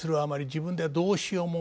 自分ではどうしようもできない。